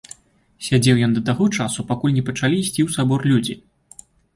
Сядзеў ён да таго часу, пакуль не пачалі ісці ў сабор людзі.